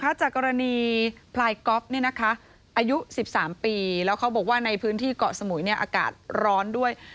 จากกรณีพลายก๊อฟอายุ๑๓ปีแล้วเขาบอกว่าในพื้นที่เกาะสมุยอากาศร้อนด้วย